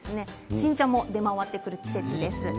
新茶も出回る季節です。